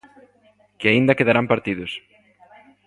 Que aínda quedarán partidos.